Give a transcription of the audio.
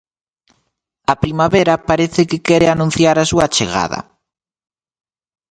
A primavera parece que quere anunciar a súa chegada.